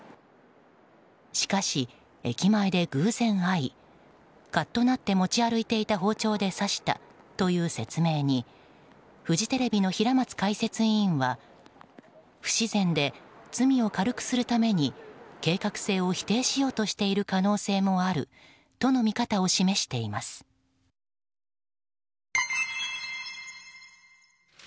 しかし、駅まで偶然会いカッとなって、持ち歩いていた包丁で刺したという説明にフジテレビの平松解説委員は不自然で、罪を軽くするために計画性を否定しようとしている可能性もあるとのまあＰＳＢはイクとしてイクとして？